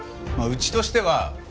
「うちとしては」？